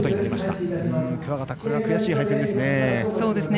桑形、これは悔しい敗戦ですね。